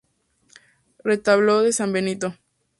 Retablo de San Benito.